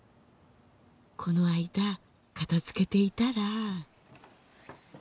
「この間片づけていたら」